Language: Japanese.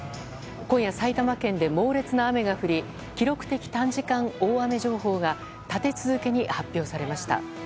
今夜、埼玉県で猛烈な雨が降り記録的短時間大雨情報が立て続けに発表されました。